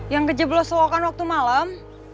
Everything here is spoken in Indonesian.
yang kejeblos selokan waktu malam